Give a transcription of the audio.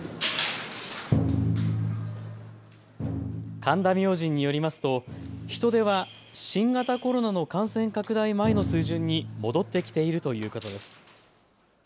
神田明神によりますと人出は新型コロナの感染拡大前の水準に戻ってきているということです。